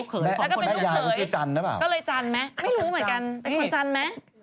ไม่รู้เหมือนกันเป็นคนจันไหม